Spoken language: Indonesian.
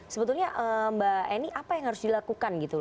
sebetulnya mbak eni apa yang harus dilakukan gitu